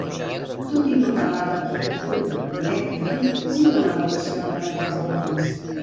Tot i no parlar d'arquitectura directament sí que la relaciona amb aquests elements.